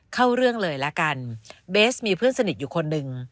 เข้าเรื่องเลยละกันเบสมีเพื่อนสนิทอยู่คนหนึ่ง